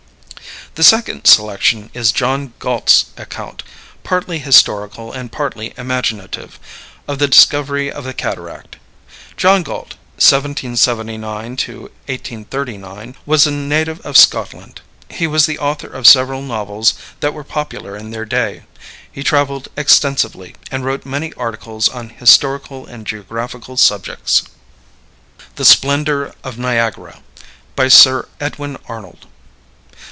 The second selection is John Galt's account, partly historical and partly imaginative, of the discovery of the cataract. John Galt (1779 1839) was a native of Scotland. He was the author of several novels that were popular in their day. He traveled extensively, and wrote many articles on historical and geographical subjects. THE SPLENDOR OF NIAGARA. BY SIR EDWIN ARNOLD.